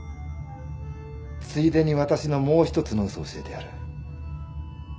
ついでに私のもう一つの嘘教えてやる。